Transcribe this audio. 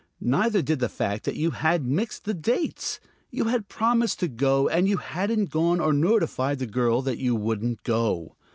Neither did the fact that you had mixed the dates. You had promised to go, and you hadn't gone or notified the girl that you wouldn't go.